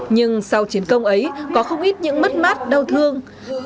nhưng sau chiến công ấy có không ít những mất mát đau thương